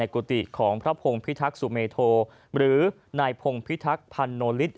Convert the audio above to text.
ในกุฏิของพระพงศ์พิทักษ์สุเมโธหรือนายพงศ์พิทักษ์พันนโลฤษฐ์